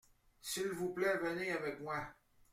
S’il vous plait venez avec moi.